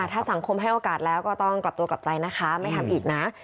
ถ้าสังคมให้โอกาสแล้วก็ต้องกลับตัวกลับใจนะคะไม่ทำอีกนะ